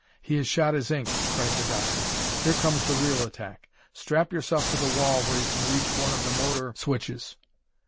"He has shot his ink!" cried the doctor. "Here comes the real attack. Strap yourself to the wall where you can reach one of the motor switches."